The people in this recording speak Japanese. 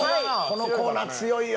このコーナー強いよ。